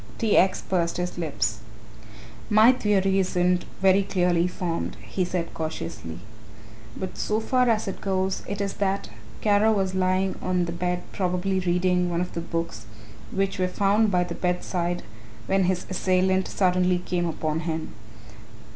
T. X. pursed his lips. "My theory isn't very clearly formed," he said cautiously, "but so far as it goes, it is that Kara was lying on the bed probably reading one of the books which were found by the bedside when his assailant suddenly came upon him.